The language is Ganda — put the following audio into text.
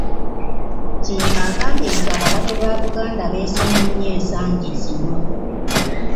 Kiyimba agambye nti abalabe ba Buganda beesomye nnyo ensangi zino.